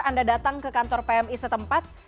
anda datang ke kantor pmi setempat